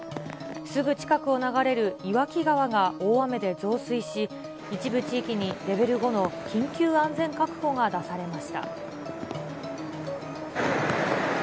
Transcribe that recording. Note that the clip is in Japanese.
すぐ近くを流れる岩木川が大雨で増水し、一部地域にレベル５の緊急安全確保が出されました。